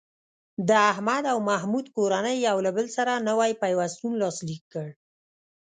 د احمد او محمود کورنۍ یو له بل سره نوی پیوستون لاسلیک کړ.